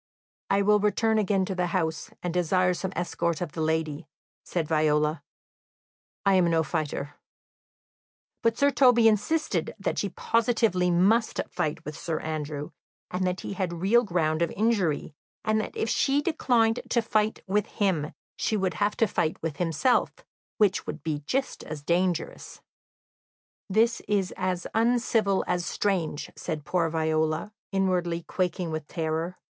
"I will return again to the house, and desire some escort of the lady," said Viola. "I am no fighter." But Sir Toby insisted that she positively must fight with Sir Andrew, that he had real ground of injury, and that if she declined to fight with him she would have to fight with himself, which would be just as dangerous. [Illustration: "I am no fighter."] "This is as uncivil as strange," said poor Viola, inwardly quaking with terror.